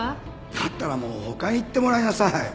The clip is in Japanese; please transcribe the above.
だったらもう他へ行ってもらいなさい。